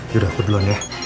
yaudah aku duluan ya